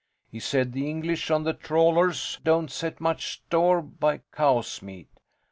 He said the English on the trawlers don't set much store by cow's meat.